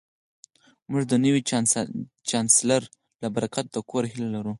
موږ د نوي چانسلر له برکته د کور هیله لرو